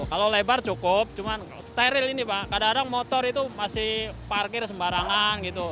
kalau lebar cukup cuman steril ini pak kadang kadang motor itu masih parkir sembarangan gitu